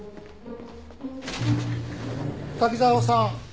滝沢さん